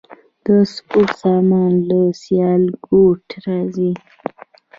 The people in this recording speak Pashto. د سپورت سامان له سیالکوټ راځي؟